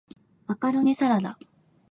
マカロニサラダ